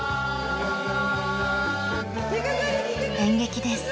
演劇です。